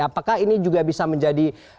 apakah ini juga bisa menjadi